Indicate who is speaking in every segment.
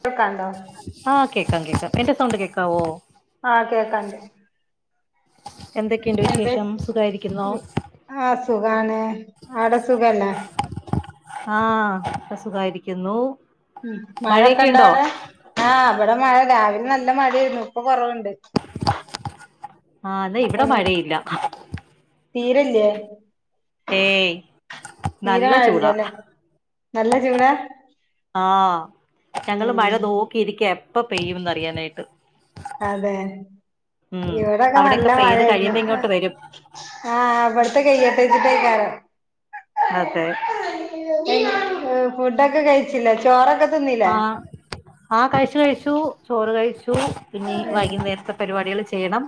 Speaker 1: കേക്കണ്ടോ
Speaker 2: കേൾക്കാം കേൾക്കാം എന്റെ സൗണ്ട് കേക്കാവോ
Speaker 1: ആഹ കേക്കണ്ടേ
Speaker 2: എന്തൊക്കെയുണ്ട് വിശേഷം സുകാരി
Speaker 1: ഉ ആഹ സുഖാണ് ആടെ സുഖല്ലേ
Speaker 2: ആഹ സുഖമായിരിക്കുന്നു
Speaker 1: ഉ മഴൊക്കെ ഇണ്ടാ അവിടെ ആഹ് അവിടെ മഴ രാവിലെ നല്ല മഴായിരുന്നു ഇപ്പൊ കൊറവുണ്ട്
Speaker 2: ആഹ അതാ ഇവിടെ
Speaker 1: എങ്ങ്
Speaker 2: മഴയില്ല
Speaker 1: തീരല്ലേ
Speaker 2: ഏയ്
Speaker 1: തീരെ
Speaker 2: നല്ല ചൂടാ
Speaker 1: മഴയില്ലല്ലേ നല്ല ചൂടാ
Speaker 2: ആഹ ഞങ്ങള് മഴ
Speaker 1: ഉം
Speaker 2: നോക്കിയിരിക്കേ ഇപ്പ പെയ്യുംന്ന് അറിയാനായിട്ട്.
Speaker 1: അതെ
Speaker 2: ഉം
Speaker 1: ഇവ്ടൊക്കെ നല്ല
Speaker 2: അവിടെയൊക്കെ പെയ്ത്
Speaker 1: മയേര്ന്നു
Speaker 2: കഴിയുമ്പോ
Speaker 1: അ
Speaker 2: ഇങ്ങോട്ട് വരും
Speaker 1: ആ ഇവിട്ത്തെ കൈയ [unintelligible]
Speaker 2: അതെ
Speaker 1: ഏ ഫുടൊക്കെ കഴിച്ചില്ലെ ചോറൊക്കെ തിന്നില്ലേ
Speaker 2: ആ ആ കഴിച്ചു കഴിച്ചു ചോറ് കഴിച്ചു. ച്ചു പിന്നെ
Speaker 1: ഉം
Speaker 2: വൈകുന്നേരത്തെ പരിപാടികൾ ചെയ്യണം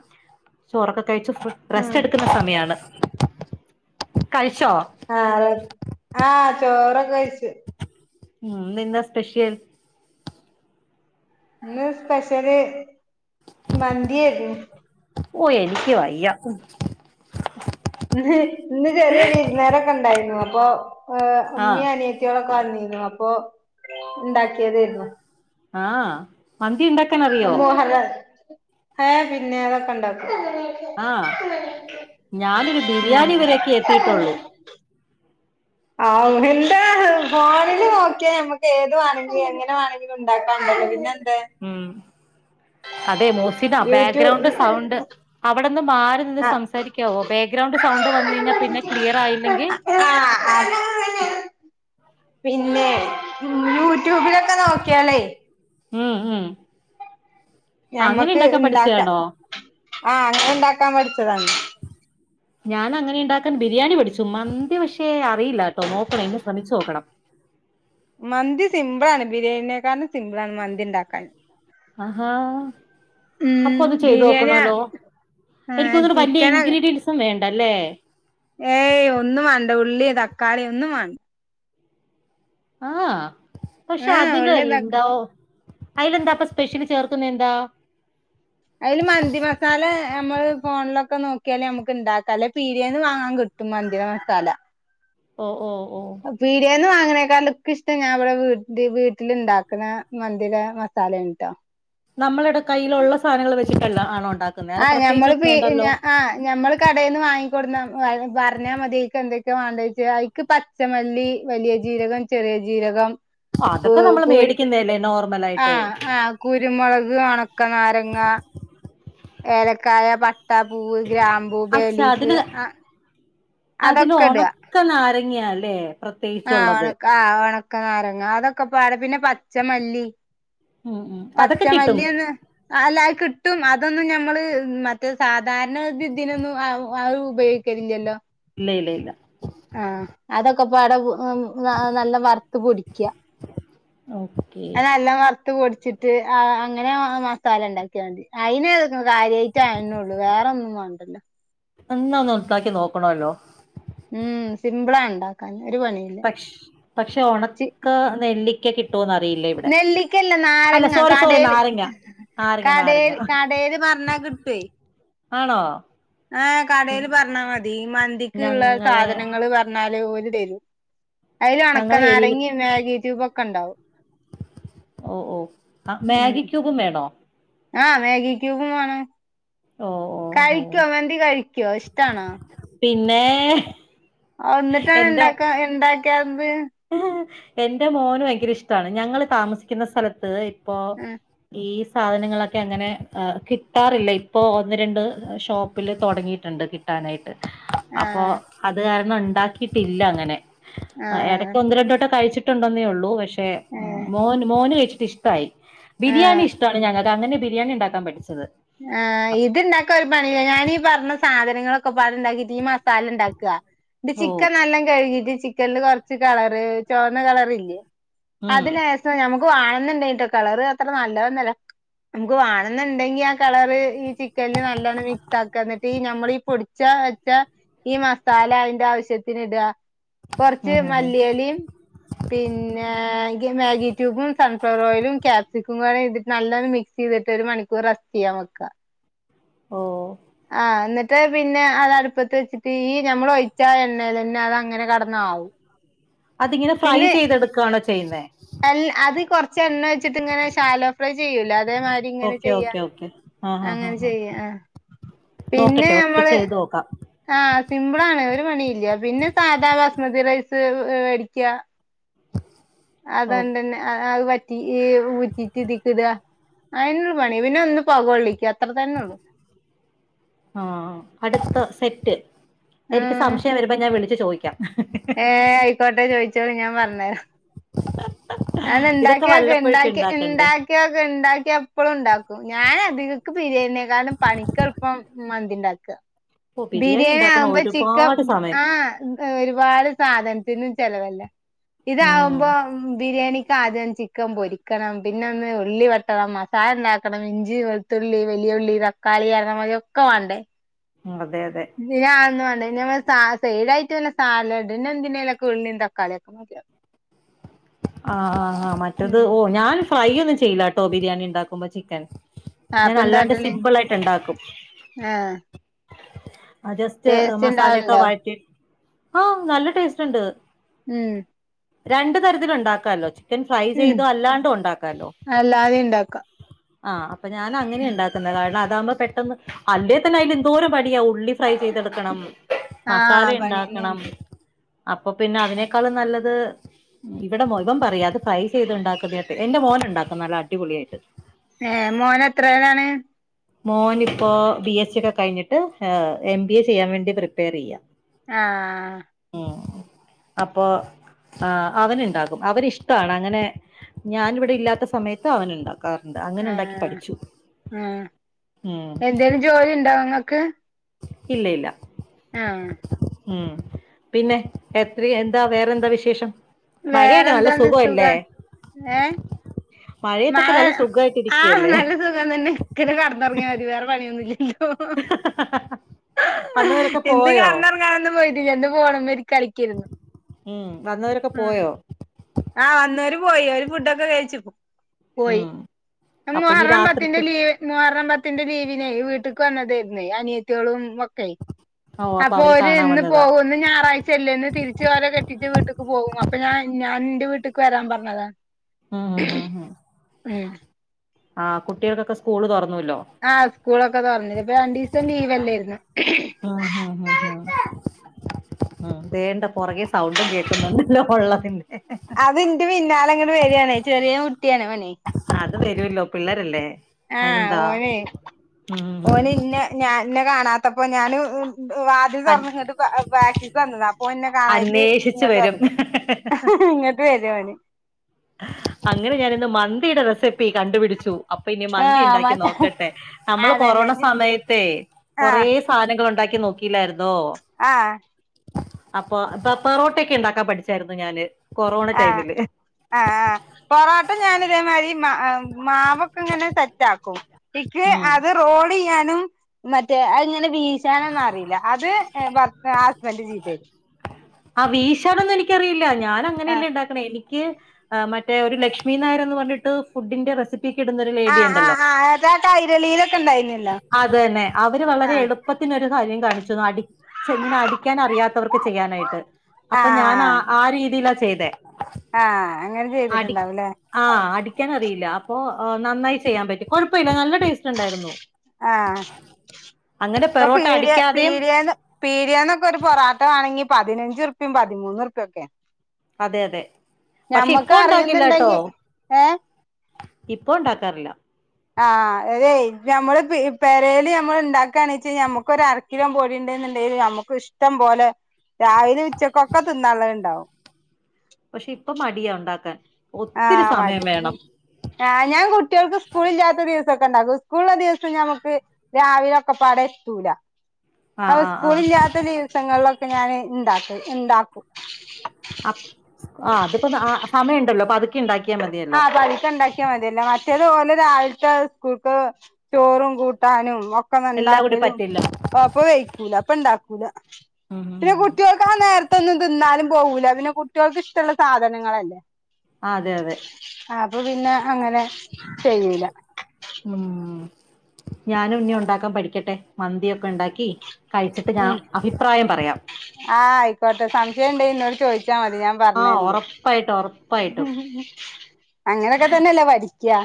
Speaker 2: ചോറക്കെ കഴിച്ച് ഫ് റെസ്റ്റ്
Speaker 1: ഉം
Speaker 2: എടുക്കുന്ന സമയാണ്. കഴിച്ചോ
Speaker 1: ആ [unintelligible] ആ ചോറൊക്കെ കയിച്ച്.
Speaker 2: ഉം ഇന്നെന്താ സ്പെഷ്യൽ?
Speaker 1: ഇന്ന് സ്പെഷ്യല് മന്തിയേരന്നു
Speaker 2: ഓ എനിക്ക് വയ്യ
Speaker 1: ഇന്ന് ഇന്ന് ചെറിയെ വിര്ന്നേരൊക്ക ണ്ടായിര്ന്നു അപ്പൊ ഉം ഇമ്മി
Speaker 2: ആഹ്
Speaker 1: അനിയത്തിയോളൊക്കെ വന്നിര്ന്നു അപ്പൊ ഇണ്ടാക്കിയതെര്ന്നു
Speaker 2: ആഹ് മന്തി ഇണ്ട
Speaker 1: [unintelligible] ഏ പിന്നെ അതൊക്കെ ഉണ്ടാക്കു
Speaker 2: ആ ഞാനൊരു
Speaker 1: ഉം
Speaker 2: ബിരിയാണിവരൊക്കെ എത്തിട്ടുള്ളു. [inaudible]
Speaker 1: ആ ഹിന്റെ ഫോണിൽ നോക്കിയ മ്മക്ക് ഏത് വാണെങ്കിലും എങ്ങനെ വണെങ്കിലും ണ്ടാക്കാൻണ്ടല്ലോ പിന്നെ എന്തേ
Speaker 2: ഉം. അതെ മോസിത
Speaker 1: യൂട്യൂബ്
Speaker 2: ബാക്ക്ഗ്രൗണ്ട് സൗണ്ട്. അവിടെന്ന് മാറി നിന്ന്
Speaker 1: ആഹ്
Speaker 2: സംസാരിക്കാവോ ബാഗ്രൗണ്ട് സൗണ്ട് വന്ന് കഴിഞ്ഞ പിന്നെ ക്ലിയർ ആയില്ലെങ്കി. [inaudible]
Speaker 1: ആഹ് പിന്നെ മ് യൂട്യൂബിലൊക്കെ നോക്കിയാലേ.
Speaker 2: ഉം മ്.
Speaker 1: ഞമ്മക്ക് ഇണ്ടാക്ക ആ അങ്ങനെ ഇണ്ടാക്കാൻ പഠിച്ചതാണ്.
Speaker 2: [inaudible] ഞാൻ അങ്ങനെ ണ്ടാക്കാൻ ബിരിയാണി പഠിച്ചു മന്തി പശേ അറിയില്ല ട്ടോ നോക്കണം ഇന്ന് ശ്രമിച്ചു നോക്കണം. [inaudible]
Speaker 1: മന്തി സിമ്പിളാണ് ബിരിയാണിനേക്കാളു സിമ്പിളാണ് മന്തി ണ്ടാക്കാൻ.
Speaker 2: ആഹാ. അപ്പൊ അത്
Speaker 1: ബിരിയാണി
Speaker 2: ചെയ്തോക്കണല്ലോ
Speaker 1: ആഹ്
Speaker 2: എനിക്കൊന്നുണു വലിയ
Speaker 1: ചിക്കന്
Speaker 2: ഇൻഗ്രീഡിയൻസും വേ ണ്ടല്ലേ.
Speaker 1: ഏയ് ഒന്നും വാണ്ട ഉള്ളി തക്കാളി ഒന്നും വാണ്ട.
Speaker 2: ആഹ പക്ഷെ
Speaker 1: ഏഹ് ഉള്ളി തക്ക
Speaker 2: അതിലെന്താ അയിലെന്താപ്പൊ സ്പെഷ്യലി ചേർക്കുന്ന എന്താ?
Speaker 1: അയില് മന്തി മസാല ഏ മ്മള്. ഫോണിലൊക്കെ നോക്കിയാലേ മ്മക്ക് ഇണ്ടാക്കാം അല്ലേ പീരിന്ന് വാങ്ങാൻ കിട്ടും മന്തിര മസാല
Speaker 2: ഓ ഓ.
Speaker 1: അ പീടിയേന്ന് വാ അയിനെകാളൊക്കെ ഇഷ്ട്ട ഞാ ഇവടെ വ് [unintelligible] വീട്ടിലിണ്ടാക്ക്ണ മന്തിടെ മസാലേണ് ട്ടൊ.
Speaker 2: നമ്മളട കയ്യിലുള്ള സാനങ്ങൾ വെച്ചിട്ടല്ല ആണോ ണ്ട
Speaker 1: ആഹ് ഞമ്മള് പ്പ ഈ ഞ ആ ഞമ്മള് കടേന്ന് വാങ്ങി [unintelligible] പറഞ്ഞാ മതി അയിക്കെന്തെക്കെ വാണ്ടേച്ച ഐക്ക് പച്ചമല്ലി, വലിയ ജീരകം, ചെറി ജീരകം, കു
Speaker 2: അതൊക്കെ നമ്മള്
Speaker 1: കുര്
Speaker 2: മേടിക്കുന്നതല്ലേ
Speaker 1: ആ
Speaker 2: നോർമലായിട്ട്
Speaker 1: ആ കുരുമൊ [unintelligible] ഒണക്ക നാരങ്ങ. ഏലക്കായ, പട്ട, പൂവ്, ഗ്രാമ്പു, ബേലീഫ് ആ.
Speaker 2: അതില്
Speaker 1: അതൊക്കെ
Speaker 2: ഒണക്ക നാരങ്ങ്യലെ.
Speaker 1: ആ ആ് ണക്ക ആ ഒണക്കനാരങ്ങ അതൊക്കെ പാടെ പിന്നെ പച്ചമല്ലി.
Speaker 2: ഉം ഉം അതൊക്കെ കിട്ടും
Speaker 1: പച്ചമല്ലിയ ഒന്ന് അല്ല ആ കിട്ട ഇും അതൊന്നും നമ്മള് മറ്റേ സാധാരണ ഇതിൊന്നും ഉപയോഗിക്കില്ലല്ലോ
Speaker 2: ഇല്ല ഇല്ല ഇല്ല
Speaker 1: അതൊക്കെ പട നല്ല വറുത്ത് പൊടിക്ക
Speaker 2: ഓക്കെ
Speaker 1: നല്ല വറ ് പൊടിട്ട് അങ്ങനെ മസാല ഉണ്ടാക്കിയണ്ട് അയിൻ കാര്യമായിട്ട് അയനേള്ളൂ വേറെ ന്ന വണ്ടല്ലേ
Speaker 2: എന്നാ ഒന്ന് ഉണ്ടാക്കി നോക്കണല്ലോ
Speaker 1: ഉം സിംപിളാ ഉണ്ടാക്കൻ
Speaker 2: പക്ഷ പക്ഷെ ഉണക്ക നെല്ലിക്ക കിട്ട
Speaker 1: നെല്ലിക്കല്ല നാരങ്ങ
Speaker 2: സോറി സോറി
Speaker 1: കടയിൽ
Speaker 2: നാരങ്ങ നാരങ്ങ
Speaker 1: കടയില്
Speaker 2: നാരങ്ങ
Speaker 1: കടയില് പറഞ്ഞ കിട്ടേ
Speaker 2: ആണോ
Speaker 1: ആഏഹ് കടയിൽ പറഞ്ഞാൽ മതി മന്തിക്ക് ഉള്ള
Speaker 2: ഞങ്ങളെ
Speaker 1: സാധനങ്ങൾ പറഞ്ഞാല് തെറും അതിൽ ഉണക്ക
Speaker 2: ഞങ്ങളെ ഏരിയയില്
Speaker 1: നാരങ്ങി മേഗി ട്യൂബ ഒക്കെ ഉണ്ടാവും
Speaker 2: ഓ ഓ ആ
Speaker 1: ഉം
Speaker 2: മാഗി ക്യൂബും വേണോ
Speaker 1: ആഹ് മാഗി ക്യൂബും വേണം
Speaker 2: ഓ ഓ ഓ
Speaker 1: കഴിക്കോ മന്തി കഴിക്കുവോ ഇഷ്ടണോ
Speaker 2: പിന്നെ
Speaker 1: ഒന്ന്ട്ടാണ്
Speaker 2: എന്റെ
Speaker 1: ഇണ്ടാക്ക എന്താണ്
Speaker 2: എന്റെ മോന് ഭയങ്കര ഇഷ്ടാണ് ഞങ്ങള് താമസിക്ന്ന സ്ഥലത്ത് പ്പോ
Speaker 1: ആഹ്
Speaker 2: ഈ സാധനങ്ങളൊക്കെ അങ്ങനെ സാധങ്ങളൊക്കെ അങ്ങനെ കിട്ടാറില്ല. ഇപ്പോ ഒന്ന് രണ്ട് ഷോപ്പില് തൊടങ്ങിയിട്ട്ണ്ട് കിട്ടാനായിട്ട്. അപ്പൊ
Speaker 1: ആഹ്
Speaker 2: അത് കാരണം ഉണ്ടാക്കിട്ടില്ല അങ്ങനെ.
Speaker 1: ആഹ്
Speaker 2: ബ്രെണ്ടോട്ട കഴിച്ചിട്ടുണ്ടെന്നേ ഉള്ളൂ പക്ഷേ
Speaker 1: ഏഹ്
Speaker 2: മോൻ മോന് കഴിച്ചിട്ട് ഇഷ്ടായി. ബിരിയാണി
Speaker 1: ആഹ്
Speaker 2: ഇഷ്ടാണ് ഞങ്ങക. അങ്ങനെ ബിരിയാണി ഉണ്ടാക്കാൻ പഠിച്ചത്.
Speaker 1: ആഹ് ഇത്ണ്ടാക്ക ഒരു പണി ഇല്ല. ഞാനീ പർഞ്ഞ സാധനങ്ങളൊക്ക പാട്ണ്ടാക്കിട്ട് ഈ മസാല ഇണ്ടാക്ക. ടി
Speaker 2: ഓ
Speaker 1: ചിക്കൻ നല്ല കഴുകിട്ട് ചിക്കൻല് കൊർച്ച് കളറ് ചോന്ന കളറില്ലെ.
Speaker 2: ഉം
Speaker 1: അത് ലേശം നമു ക്ക് വാണന്ന്ണ്ടെങ്കിട്ടോ കളറ് അത്ര നല്ലതൊന്നല്ല. നമുക്ക് വാണന്ന്ണ്ടെങ്കി കളറ് ഈ ചിക്കൻല് നല്ലാണം മിക്സാക്ക. എന്നിട്ട് ഈ ഞമ്മൾ ഈ പൊടിച്ചാ വെച്ച ഈ മസാല അയിന്റെ ആവശ്യത്തിന് ഇട. കൊർച്ച്
Speaker 2: ഉം ഉം ഉം
Speaker 1: മല്ലിയലിം പിന്നേ ഗി മാഗി ക്യുബും സൺഫ്ലവർ ഓയിലും ക്യാപ്സിക്കും പാടെ ഇട് നല്ലാണം മിക്സ് ചെയ്തിട്ട് ഒരു മണിക്കൂർ റസ്റ്റ് ചെയ്യാൻ വെക്ക.
Speaker 2: ഓഹ്
Speaker 1: ആഹ് എന്നിട്ട് പിന്നെ അത് അടുപ്പത്ത് വെച്ചിട്ട് ഈ ഞമ്മൾ ഒഴിച്ചാ എണ്ണേലന്നെ അത അങ്ങനെ കട്ന്ന ആവും.
Speaker 2: അതിങ്ങനെ ഫ്രൈ
Speaker 1: പിന്നെ
Speaker 2: ചെയ്തെടുക്കാണോ ചെയ്യുന്നേ
Speaker 1: അൽ അതി കൊർച് ച്ചെണ്ണ ഒഴിച്ചിട്ടിങ്ങനെ ശാലോഫ്രൈ ചെയ്യൂലെ അ തേ മാരി ഇങ്ങനെ
Speaker 2: ഓക്കെ
Speaker 1: ചെയ്യാ.
Speaker 2: ഓക്കെ ഓക്കെ ആഹ് ആഹ് ആഹ്
Speaker 1: അങ്ങനെ
Speaker 2: ആഹ്
Speaker 1: ചെയ്യാ ആഹ് പിന്നെ
Speaker 2: നോക്കട്ടെ ഒക്കെ
Speaker 1: ഞമ്മള്
Speaker 2: ചെയ്ത് നോക്കാം
Speaker 1: ആഹ് സിമ്പിളാണ് ഒരു പണിയില്ല. പിന്നെ സാധാ ബാസ്മതി റൈസ് വേടിക്ക്യ
Speaker 2: ഓ
Speaker 1: അതണ്ടന്നെ ആ ആഹ് വറ്റ് റ്റി ഈ ഊറ്റിട്ട് തിക്കിട. അയന്നൊള്ളൂ പണി. പിന്നെ ഒന്ന് പൊകൊള്ളിക്ക.
Speaker 2: ആഹ് അടുത്ത സെറ്റ്. എനിക്ക്
Speaker 1: ആഹ്
Speaker 2: സംശയം വരുമ്പോ ഞാൻ വിളിച്ചു ചോയിക്കാം.
Speaker 1: ഏഹ് അയ്ക്കോട്ടെ ചോയിച്ചോളി ഞാൻ പർഞ്ഞെര.
Speaker 2: [unintelligible]
Speaker 1: അത്
Speaker 2: ഇതൊക്കെ
Speaker 1: ഇണ്ടാക്കിയോക്കെ
Speaker 2: വല്ലപ്പോഴൊക്കെ
Speaker 1: ഇണ്ടാക്കി
Speaker 2: ഉണ്ടാക്കണ്ടേ
Speaker 1: ഉണ്ടാക്കിയോക്കെ ഇണ്ടാക്കിയ ഇപ്പോഴും ഉണ്ടാക്കും ഞാൻ അധിക ബിരിയാണിയ കാലും പണിക്ക് എളുപ്പം മന്തിണ്ടാക്കുക-
Speaker 2: ഓ
Speaker 1: ബിരിയാണി
Speaker 2: ഉണ്ടാക്കണ
Speaker 1: ആകുമ്പോ ചിക്കൻ
Speaker 2: ഒരുപാട് സമയം
Speaker 1: ആഹ് ഒരുപാട് - സാധനത്തിനും ചെലവല്ല ഇതകുമ്പോ
Speaker 2: ഉം
Speaker 1: ബിരിയാണി- ഇത് ആദ്യം ചിക്കൻ പൊരിക്കണം പിന്നെ ഒന്ന് ഉള്ളി വെട്ടണം മസാല ഉണ്ടാക്കണം ഇഞ്ചി വെളുത്തുള്ളി വല്യ - ഞ്ഞുള്ളി തക്കാളി അഴകൊഴക്കെ വേണ്ടേ-
Speaker 2: അതെ അതെ
Speaker 1: [unintelligible] [unintelligible] സൈഡായിട്ട്ല്ല സാലഡ് പിന്നെന്തിനേലുക്കെ ഉള്ളി തക്കാളിയൊക്കെ മതിയാവു-
Speaker 2: ആഹ് ആഹ് ആഹ് മറ്റത്
Speaker 1: ഉം
Speaker 2: ഓ ഞാൻ ഫ്രൈ ഒന്നും ചെയ്ല്ല ട്ടോ ബിരിയാണി ഉണ്ടാക്കുമ്പോ ചിക്കൻ -
Speaker 1: ആഹ്
Speaker 2: ഞാൻ
Speaker 1: അപ്പൊ
Speaker 2: അല്ലാണ്ട്
Speaker 1: എന്താട്ടല്
Speaker 2: സിപിൾ ആയിട്ട് ഉണ്ടാക്കും-
Speaker 1: ആഹ്
Speaker 2: ജസ്റ്റ്
Speaker 1: ടേസ്റ്റ്
Speaker 2: മസാലൊക്കെ
Speaker 1: ഇണ്ടാവലുണ്ടോ
Speaker 2: വാഴറ്റി ആഹ് നല്ല ടേസ്റ്റ് ഉണ്ട്-
Speaker 1: മ്-
Speaker 2: രണ്ട് തരത്തിലൊണ്ടാക്കല്ലോ? ചിക്കൻ ഫ്രൈ
Speaker 1: ഉം
Speaker 2: ചെയ്തു അല്ലാണ്ടു ഒണ്ടാക്കാലോ-
Speaker 1: അല്ലാതെ ഇണ്ടാക്ക
Speaker 2: ആഹ് അപ്പ ഞാനങ്ങനെയിണ്ടാക്ക്ന്നത് കാരണം- ഇതാവുമ്പം പെട്ടെന്ന് അല്ലേ തന്നെ അതിൽ എന്തോരം പണിയാ ഉള്ളി ഫ്രൈ ചെയ്തെടുക്കണം- മസാല
Speaker 1: ആഹ്
Speaker 2: ഇണ്ടാക്കണം
Speaker 1: പണിയന്നെയാണ്
Speaker 2: അപ്പൊ പിന്നെ അതിനേക്കാൾ നല്ലത്- ഇവിടെ മോ ഇവൻ പറയാ അത് ഫ്രൈ ചെയ്ത്ണ്ടാക്ക്ന്നയ ടേ എന്റെ മോനൊണ്ടാക്കും നല്ല അടിപൊളിയായിട്ട്-
Speaker 1: ഏഹ് മോൻഎത്രേലാണ്-
Speaker 2: മോനിപ്പോ ബി എസ് സി ഒക്കെ കഴിഞ്ഞിട്ട് എം ബി എ ചെയ്യാൻ വേണ്ടി പ്രിപ്പയർ ചെയ്യാ-
Speaker 1: ആഹ് ആഹ് -
Speaker 2: ഉം അപ്പൊ- ആഹ് അവന്ണ്ടാകും അവനിഷ്ടാണ് അങ്ങനെ ഞാനിവിടെ ഇല്ലാത്ത സമയത്തും അവനുണ്ടാകും- ക്കാറ്ണ്ട് അങ്ങനെ ണ്ടാക്കി
Speaker 1: ആഹ്
Speaker 2: പഠിച്ചു.
Speaker 1: ആഹ്
Speaker 2: ഉം
Speaker 1: എന്തേലും ജോലി ണ്ടോ ങ്ങക്ക്?
Speaker 2: ഇല്ല യില്ല
Speaker 1: ആഹ്
Speaker 2: ഉം പിന്നെ എത്ര എന്താ വേറെന്താ വിശേഷം? മഴയെക്കെ നല്ല
Speaker 1: വേറെന്താണ്
Speaker 2: സുഖല്ലേ.
Speaker 1: സുഖാണ് ഏഹ് മഴ ആഹ് നല്ല സുഖം തന്നെ ഇക്കനെ കടന്നൊറങ്ങ്യാ മതി വേറെ പണിയൊന്നുല്ല.
Speaker 2: വന്നവരൊക്കെ
Speaker 1: ഇന്ന്
Speaker 2: പോയോ
Speaker 1: കടന്നൊരണ്ടാനൊന്നും പോയിട്ടില്ല ഇന്ന് ഫോണ് മ്മെരി കളിക്കെര്ന്നു
Speaker 2: ഉം വന്നവരൊക്കെ
Speaker 1: ഉം
Speaker 2: പോയോ
Speaker 1: ആഹ് വന്നോര് പോയി ഓര് ഫുഡൊക്കെ കഴിച്ച്പ്പോ പോയി
Speaker 2: ഉം അപ്പൊ ഇനി
Speaker 1: മൂഹറം പത്തിന്റെ
Speaker 2: രാത്രിത്തെ
Speaker 1: ലീവ് മൂഹറം പ ത്തിന്റെ ലീവിനേ വീട്ട്ക്ക് വന്നതേയ്ര്ന്നെ അനിയത്ത്യേളും ഒക്കെ
Speaker 2: ആഹ്
Speaker 1: അപ്പൊര് ഇന്ന് പോവും ഇന്ന് ഞായറാഴ്ചല്ലേ ഇന്ന് തിരിച്ച് ഓലെ കെട്ടിച്ച വീട്ട്ക്ക് പോവും അപ്പൊ ഞാൻ ഞാൻ ൻ്റെ വീട്ട്ക്ക് വെരാൻ പറഞ്ഞതാ.
Speaker 2: ഉം ഹ് ഹ് ഹ്
Speaker 1: ഉം
Speaker 2: ആഹ് കുട്ട്യേക്കൊക്കെ സ്കൂള് തൊറ
Speaker 1: ആഹ് സ്കൂളൊക്കെ തൊർന്ന്ണ് ഇപ്പ രണ്ടിസം ലീവല്ലേര്ന്ന്.
Speaker 2: ഉം ഹും ഹും ഹും ഉം തേണ്ട പൊറകെ സൗണ്ടും കേക്കുന്നുണ്ടല്ലോ ഒള്ളത്തിന്റെ
Speaker 1: അത് ൻ്റെ പിന്നാലെങ്ങനെ വെരാണേ ചെറ്യേ കുട്ട്യാണ് ഓനെ.
Speaker 2: രോല്ലോ പിള്ളാരല്ലേ
Speaker 1: ആഹ് ഓനെ
Speaker 2: ഉം
Speaker 1: ഓന് ഇന്നെ ഞ ഇന്നെ കാണാത്തപ്പോ ഞാന് ഏം വാതില് തൊർന്ന്ങ്ങട്ട് വാ വാക്കിക്ക് വന്നത അപ്പോ ഓൻ ഇന്നെ കാണായിട്ട്
Speaker 2: അന്വേഷിച്ചു
Speaker 1: ഇങ്ങോട്ട്
Speaker 2: വരും
Speaker 1: വന്നക്ക. ഇങ്ങട്ട് വെരോന്.
Speaker 2: അങ്ങനെ ഞാനിന്ന് മന്തിയുടെ റെസിപ്പി കണ്ടുപിടിച്ചു അപ്പൊ ഇനി മന്തി
Speaker 1: ആഹ്
Speaker 2: ഇണ്ടാക്കി
Speaker 1: മറ്റേ
Speaker 2: നോക്കട്ടെ നമ്മള്
Speaker 1: അതന്നെ
Speaker 2: കൊറോണ സമയത്തെയ് കൊറേ
Speaker 1: ആഹ്
Speaker 2: സാധനങ്ങ ഉണ്ടാ ക്കി നോക്കില്ലായിരുന്നോ
Speaker 1: ആഹ്
Speaker 2: അപ്പൊ ഇപ്പ പൊറോട്ടൊക്കെ ഉണ്ടാക്കാൻ പഠിച്ചായിരുന്നു ഞാന് കൊറോണ
Speaker 1: ആഹ്
Speaker 2: ടൈമില്
Speaker 1: ആഹ് ആഹ് പൊറാട്ട ഞാന് ഇതേമാരി മാവൊക്കെ ഇങ്ങനെ സെറ്റാക്കും ഇക്ക്
Speaker 2: ഉം
Speaker 1: അത് റോള് ചെയ്യാനും മറ്റേ അത്ങ്ങനെ വീശാ ശാനൊന്നും അറിയില്ല അത് ഭർ ഹസ്ബൻഡ് ചെയ്തേരും
Speaker 2: ആഹ് വീശാനൊന്നും എനിക്കറിയില്ല ഞാൻ അങ്ങനെയല്ല
Speaker 1: ആഹ്
Speaker 2: ഉണ്ടാക്കണേ എനി ക്ക് മറ്റേ ഒരു ലക്ഷ്മി നായർ എന്ന് പറിട്ട് ഫുഡിന്റെ റെസി
Speaker 1: ആഹ് ആഹ് ആഹ് അതാ കൈരളിയിലൊക്കെ ഉണ്ടായിരുന്നല്ലോ
Speaker 2: അതന്നെ അവര് വളരെ
Speaker 1: ആഹ്
Speaker 2: എളുപ്പത്തിനൊരു കാര്യം കാണിച്ചു അടിച്ച് ഇങ്ങനെ അടിക്കാൻ അറിയാത്തവർക്ക് ചെയ്യാനായിട്ട് അപ്പൊ ഞാനാ
Speaker 1: ആഹ്
Speaker 2: ആ രീതി രീതിയിലാ ചെയ്തേ
Speaker 1: ആഹ് അങ്ങനെ
Speaker 2: അടി
Speaker 1: ചെയ്തിട്ടുണ്ടാവുംല്ലേ
Speaker 2: അടിക്കാനറിയില്ല ലാ അപ്പൊ നന്നായി ചെയ്യാൻ പറ്റി കൊഴപ്പമില്ല നല്ല ടേസ്റ്റ് ഉണ്ടായിരുന്നു
Speaker 1: ആഹ്
Speaker 2: അങ്ങനെ
Speaker 1: ഇപ്പൊ
Speaker 2: പെറോട്ട
Speaker 1: പീട്യ
Speaker 2: അടിക്കാതെയും
Speaker 1: പീടിയേന്ന് പീടിയേന്നൊക്കെ ഒരു പൊറാട്ട വാണങ്കി പതിനഞ്ചുർപിം പതിമൂന്നുർപിഒക്കേ
Speaker 2: അതെ അതെ പക്ഷേ ഇപ്പൊ ഉണ്ടാക്കില്ലട്ടോ
Speaker 1: അറിയുന്നുണ്ടെങ്കി ഏ
Speaker 2: ഇപ്പൊ ഉണ്ടാക്കാറില്ല
Speaker 1: ആഹ് അതെയ് നമ്മള് പെരേല് നമ്മള്ണ്ടാക്കാണ് വെച്ച ഞമ്മക്കൊരു അരക്കിലോ പോടി ണ്ട്ന്ണ്ടെങ്കില് നമുക്ക് ഇഷ്ടം പോലെ രാവിലിം ഉച്ചക്കൊക്കെ തിന്നാള്ളത്ണ്ടാവും
Speaker 2: പക്ഷേ ഇപ്പ മടിയാ ഉണ്ടാക്കാൻ
Speaker 1: ആ്
Speaker 2: ഒത്തിരി സമയം
Speaker 1: മടി
Speaker 2: വേണം
Speaker 1: ആ് ഞാൻ കുട്ടികൾക്ക് സ്കൂളല്ലാത്ത ദിവസം സ്കൂളള്ള ദിവസം ഞമക്ക് രാവിലെ ഒക്കെ പാടെ എത്തൂല അ
Speaker 2: ആഹ് ആഹ് ആഹ്
Speaker 1: സ്കൂളില്ലാത്ത ദിവസങ്ങളിലൊക്കെ ഞാന് ഇണ്ടാക്കും
Speaker 2: അ ആ അതിപ്പോ സമയംണ്ടല്ലോ
Speaker 1: ആഹ പതുക്കെ ഉണ്ടാക്കിയാൽ മതിയല്ല മറ്റേത്പോലെ രാവിലെ സ്കൂൾക്ക് ചോറും കൂട്ടാനും പക്ക
Speaker 2: എല്ലാം കൂടി
Speaker 1: ഉണ്ടാക്കലും
Speaker 2: പറ്റില്ല
Speaker 1: അപ്പ കഴിക്കൂല അപ്പ ഇണ്ടാക്കൂല
Speaker 2: ഉം ഉം
Speaker 1: പിന്നെ
Speaker 2: ഉം
Speaker 1: കുട്ടികൾക്ക് ആ നേരത്തെൊന്നും തിന്നാലും- പോകൂല പിന്നെ കുട്ടികൾക്ക് ഇഷ്ടമുള്ള സാധനങ്ങല്ലേ
Speaker 2: ആ, അതെ അതെ
Speaker 1: അപ്പൊ പിന്നെ അങ്ങനെ ചെയ്യൂല
Speaker 2: ഉം ഞാനും ഇനി ഉണ്ടാക്കാൻ പഠിക്കട്ടെ മന്തിക്കെ ഉണ്ടാക്കി കഴിച്ചിട്ട് ഞാൻ
Speaker 1: ഉം
Speaker 2: അഭിപ്രായം പറയാം
Speaker 1: ആ ആയിക്കോട്ടെ സംശയുണ്ട് ഇന്നോട് ചോദിച്ച- വിളിച്ചാൽമതി ഞാൻ
Speaker 2: ആഹ്
Speaker 1: പറഞ്ഞണ്ട്
Speaker 2: ഒറപ്പായിട്ടും ഒറപ്പായിട്ടും
Speaker 1: അങ്ങനൊക്കെ തന്നെയല്ലേ പഠിക്കാ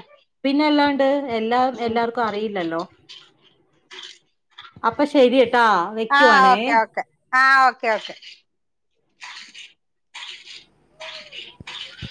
Speaker 2: പിന്നെല്ലാണ്ട് എല്ലാ എല്ലാർക്കും അറിയില്ലല്ലോ അപ്പൊ ശെരിയട്ടാ വെക്കുവാണേ
Speaker 1: ആഹ ഓക്കെ ഓക്കെ